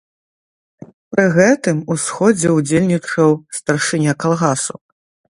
Пры гэтым у сходзе ўдзельнічаў старшыня калгасу.